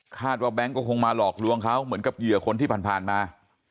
แบงค์ก็คงมาหลอกลวงเขาเหมือนกับเหยื่อคนที่ผ่านมา